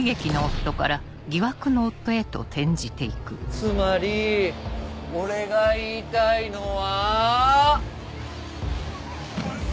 つまり俺が言いたいのは。